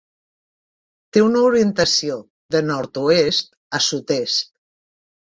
Té una orientació de nord-oest a sud-est.